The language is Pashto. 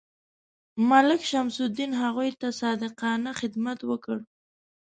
ملک شمس الدین هغوی ته صادقانه خدمت وکړ.